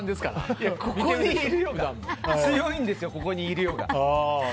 強いんですよ、ここにいるよが。